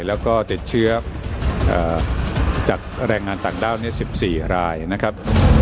แล้วก็ติดเชื้อจากแรงงานต่างด้าว๑๔รายนะครับ